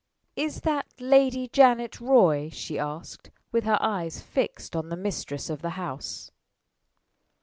"Is that Lady Janet Roy?" she asked, with her eyes fixed on the mistress of the house.